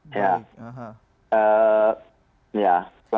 kalau dari memang tradisi kami